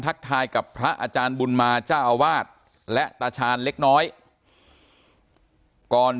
ทายกับพระอาจารย์บุญมาเจ้าอาวาสและตาชาญเล็กน้อยก่อน